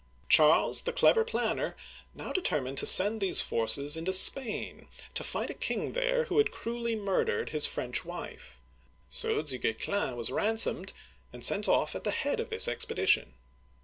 Charles, the clever planner, now determined to send Digitized by Google CHARLES V. (1364 1380) 167 these forces into Spain, to fight a king there who had cruelly murdered his French wife; so Du Guesclin was ransomed and sent off at the head of this expedition.